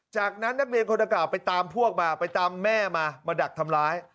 จากนั้นนักเรียนคนดังกล่าไปตามพวกมาไปตามแม่มามาดักทำร้าย